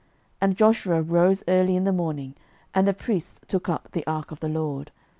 06:006:012 And Joshua rose early in the morning, and the priests took up the ark of the LORD.